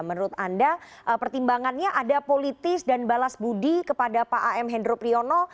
menurut anda pertimbangannya ada politis dan balas budi kepada pak am hendro priyono